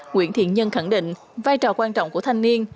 nguyễn thiện nhân khẳng định vai trò quan trọng của thanh niên